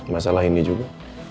masalah ini juga